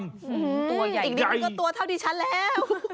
ตัวใหญ่อีกนิดมันก็ตัวเท่าที่ฉันแล้ว